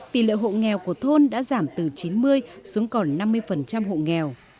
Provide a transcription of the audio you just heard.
tỷ lệ hộ nghèo của thôn đã giảm từ chín mươi xuống còn năm mươi hộ nghèo